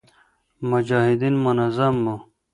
مجاهدین منظم و